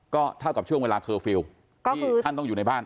ก็เท่ากับช่วงเวลาเคอร์ฟิลล์ที่ท่านต้องอยู่ในบ้าน